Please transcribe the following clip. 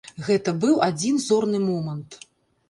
Гэта быў адзін зорны момант.